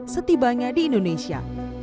setibanya di indonesia